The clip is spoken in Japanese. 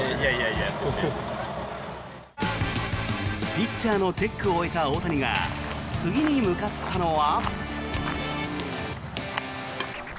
ピッチャーのチェックを終えた大谷が次に向かったのは。